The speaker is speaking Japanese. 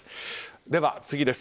では、次です。